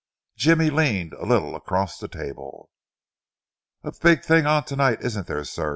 Jimmy leaned a little across the table. "A big thing on to night, isn't there, sir?"